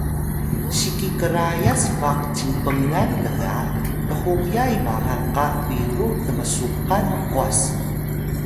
si ki krayas baq cinpngan lga thuyay magal qa biru tnmsuqan mqwas